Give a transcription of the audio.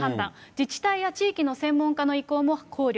自治体や地域の専門家の意向も考慮。